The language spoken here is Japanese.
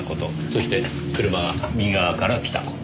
そして車が右側から来た事。